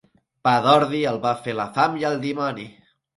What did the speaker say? Pa d'ordi, el va fer la fam i el dimoni.